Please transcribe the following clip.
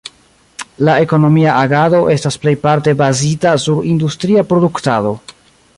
La ekonomia agado estas plejparte bazita sur industria produktado.